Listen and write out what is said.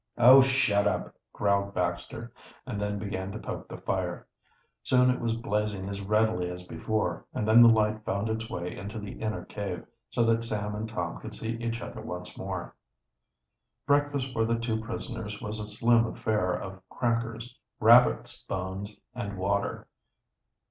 "Oh, shut up!" growled Baxter, and then began to poke the fire. Soon it was blazing as readily as before, and then the light found its way into the inner cave, so that Sam and Tom could see each other once more. Breakfast for the two prisoners was a slim affair of crackers, rabbits' bones, and water.